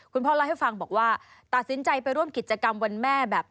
คุณพ่อเล่าให้ฟังบอกว่าตัดสินใจไปร่วมกิจกรรมวันแม่แบบ